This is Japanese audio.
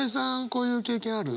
こういう経験ある？